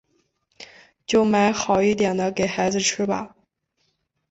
就买好一点的给孩子吃吧